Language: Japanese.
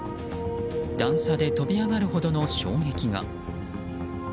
段差で飛び上がるほどの衝撃が。